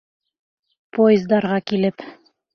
Поездарға килеп